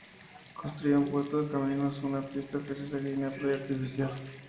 Construyó un puerto, caminos, una pista de aterrizaje y una playa artificial.